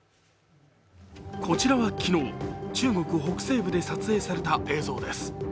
こちらは昨日、中国北西部で撮影された映像です。